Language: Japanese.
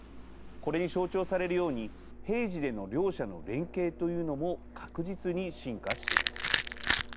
これに象徴されるように平時での両者の連携というのも確実に深化しています。